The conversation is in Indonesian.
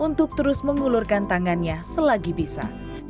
untuk terus mengulurkan tangannya selagi bisa